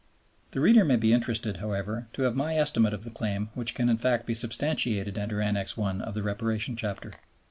The reader may be interested, however, to have my estimate of the claim which can in fact be substantiated under Annex I. of the Reparation Chapter.